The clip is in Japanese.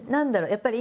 やっぱり